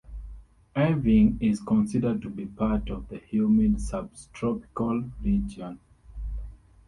Irving is considered to be part of the humid subtropical region.